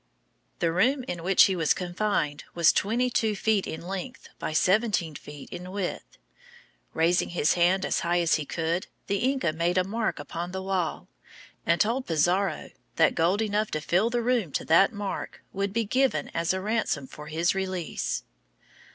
The room in which he was confined was twenty two feet in length by seventeen feet in width. Raising his hand as high as he could, the Inca made a mark upon the wall, and told Pizarro that gold enough to fill the room to that mark would be given as a ransom for his release.